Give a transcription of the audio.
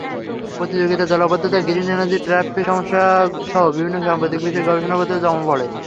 প্রতিযোগিতায় জলাবদ্ধতা, green energy, traffic সমস্যাসহ বিভিন্ন সাম্প্রতিক বিষয়ে গবেষণাপত্র জমা পড়ে।